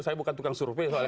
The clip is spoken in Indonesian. saya bukan tukang survei